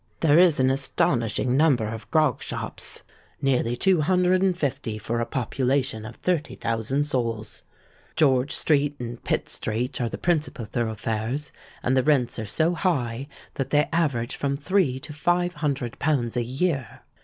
There is an astonishing number of grog shops—nearly two hundred and fifty, for a population of 30,000 souls. George Street and Pitt Street are the principal thoroughfares: and the rents are so high that they average from three to five hundred pounds a year.